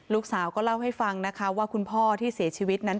ลูกสาวก็เล่าให้ฟังนะคะว่าคุณพ่อที่เสียชีวิตนั้น